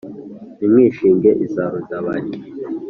ntimwishinge iza rudabari